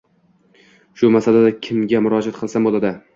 Shu masalalada kimga murojaat qilsam bo‘ladi?